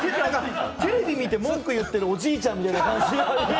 テレビ見て文句言ってるおじいちゃんみたいな感じ。